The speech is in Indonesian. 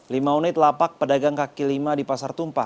lima unit lapak pedagang kaki lima di pasar tumpah